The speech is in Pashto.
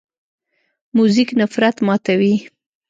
موزیک نفرت ماتوي.